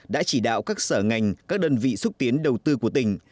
đã chỉ đạo các sở ngành các đơn vị xúc tiến đầu tư của tỉnh